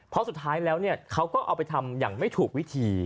เพราะสุดท้ายแล้วเนี่ยเขาก็เอาไปทำอย่างไม่ถูกวิธี